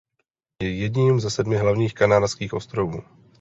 Je jedním ze sedmi hlavních Kanárských ostrovů.